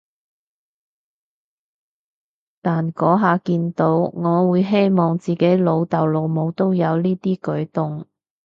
但嗰下見到，我會希望自己老豆老母都有呢啲舉動